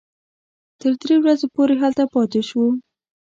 تر درې ورځو پورې هلته پاتې شوو.